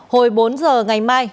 hồi bốn giờ ngày mai